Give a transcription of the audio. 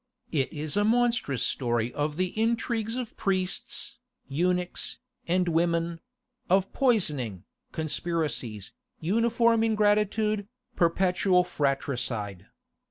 It is a monstrous story of the intrigues of priests, eunuchs, and women; of poisoning, conspiracies, uniform ingratitude, perpetual fratricide."